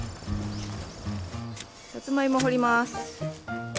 さつまいも掘ります。